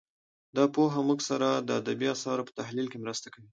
دا پوهه موږ سره د ادبي اثارو په تحلیل کې مرسته کوي